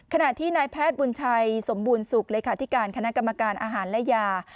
ขณะที่นายแพทย์บุญชัยสมบูรณสุขเลขาธิการคณะกรรมการอาหารและยา